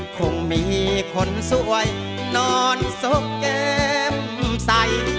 คงมีคนสวยนอนสกแก้มใส